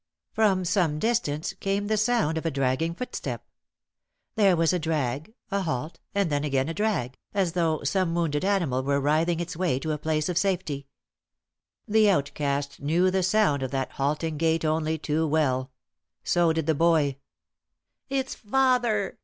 From some distance came the sound of a dragging footstep. There was a drag, a halt, and then again a drag, as though some wounded animal were writhing its way to a place of safety. The outcast knew the sound of that halting gait only two well. So did the boy. "It's father!"